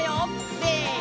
せの！